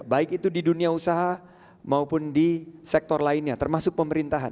baik itu di dunia usaha maupun di sektor lainnya termasuk pemerintahan